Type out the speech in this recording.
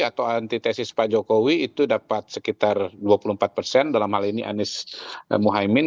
atau antitesis pak jokowi itu dapat sekitar dua puluh empat persen dalam hal ini anies mohaimin